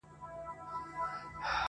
زه له فطرته عاشقي کوومه ښه کوومه.